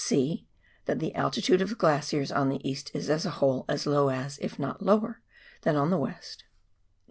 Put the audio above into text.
(c) That the altitude of the glaciers on the east is, as a whole, as low as, if not lower than, on the west.